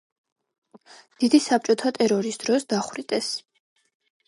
დიდი საბჭოთა ტერორის დროს დახვრიტეს.